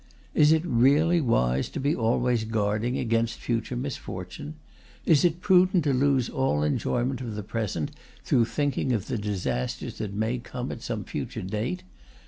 Is it really wise to be always guarding against future misfortune? Is it prudent to lose all enjoyment of the present through thinking of the disasters that may come at some future date?